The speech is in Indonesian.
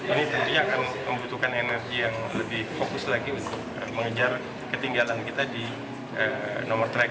ini tentunya akan membutuhkan energi yang lebih fokus lagi untuk mengejar ketinggalan kita di nomor track